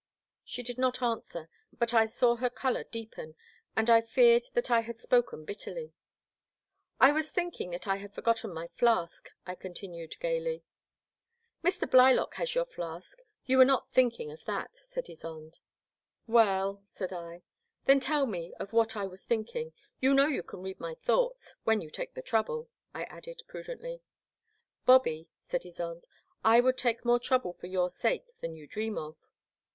She did not answer, but I saw her colour deepen, and I feared that I had spoken bitterly. I was thinking that I had forgotten my flask," I continued gaily. Mr. Blylock has your flask— you were not thinking of that," said Ysonde. Well," said I, '' then tell me of what I was thinking; you know you can read my thoughts — when you take the trouble," I added prudently. Bobby," said Ysonde, I would take more trouble for your sake than you dream of."